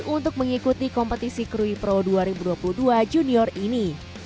untuk mengikuti kompetisi krui pro dua ribu dua puluh dua junior ini